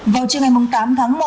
vào trưa ngày tám tháng một